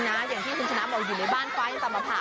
อย่างที่คุณชนะบอกอยู่ในบ้านฟ้ายังตามมาผ่า